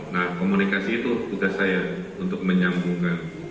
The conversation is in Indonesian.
nah komunikasi itu tugas saya untuk menyambungkan